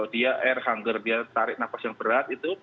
dia air hunger dia tarik nafas yang berat itu